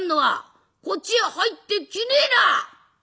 こっちへ入ってきねえな！」。